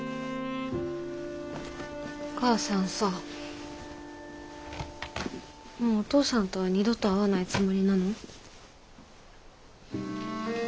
お母さんさもうお父さんとは二度と会わないつもりなの？